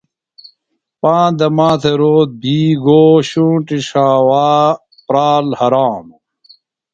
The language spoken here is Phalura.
پاندہ ماتھےۡ روت بھی گو، شُونٹی ݜاوا پرال ہرانوۡ